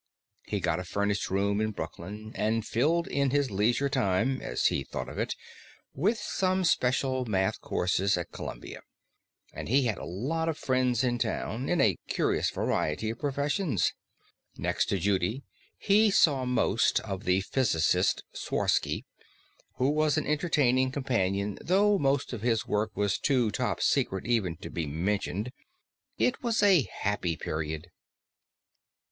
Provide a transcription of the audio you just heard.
He got a furnished room in Brooklyn, and filled in his leisure time as he thought of it with some special math courses at Columbia. And he had a lot of friends in town, in a curious variety of professions. Next to Judy, he saw most of the physicist Sworsky, who was an entertaining companion though most of his work was too top secret even to be mentioned. It was a happy period.